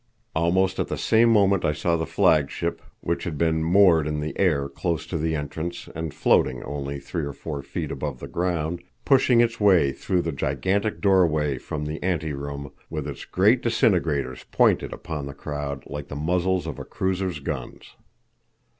Almost at the same moment I saw the flagship, which had been moored in the air close to the entrance and floating only three or four feet above the ground, pushing its way through the gigantic doorway from the ante room, with its great disintegrators pointed upon the crowd like the muzzles of a cruiser's guns.